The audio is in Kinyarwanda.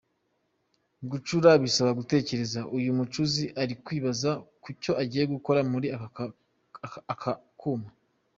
Gucura bisaba gutekereza, uyu mucuzi ari kwibaza kucyo agiye gukora muri aka kuma.